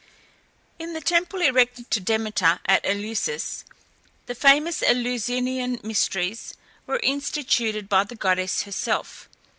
In the temple erected to Demeter at Eleusis, the famous Eleusinian Mysteries were instituted by the goddess herself.